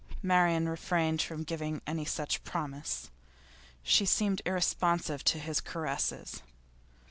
Marian refrained from giving any promise. She seemed irresponsive to his caresses.